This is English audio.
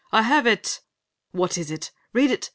I have it!" "What is it? Read it